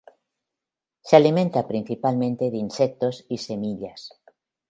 Se alimenta principalmente de insectos y semillas.